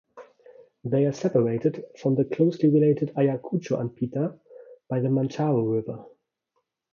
They are separated from the closely related Ayacucho antpitta by the Mantaro river.